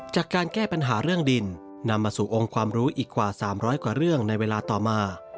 จากการแก้ปัญหาเรื่องดินนำมาสู่องค์ความรู้อีกกว่า๓๐๐กว่าเรื่องในเวลาต่อมา